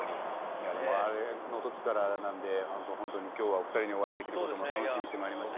いやでもあれの時からなんで本当に今日はお二人にお会いできることも楽しみにしてまいりました。